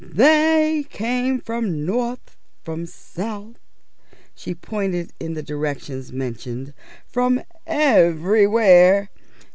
"They come from north, from south" (she pointed in the directions mentioned), "_from everywhere.